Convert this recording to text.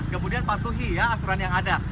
kemudian patuhi ya aturan yang ada